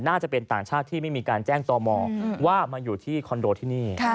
น่าจะเป็นต่างชาติที่ไม่มีการแจ้งต่อมอว่ามาอยู่ที่คอนโดที่นี่